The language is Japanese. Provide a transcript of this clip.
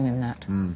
うん。